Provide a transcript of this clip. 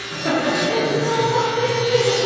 手治虫先生ですね。